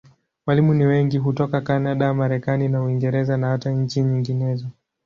Walimu ni wengi hutoka Kanada, Marekani na Uingereza, na hata nchi nyinginezo.